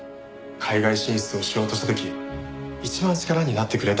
海外進出をしようとした時一番力になってくれた。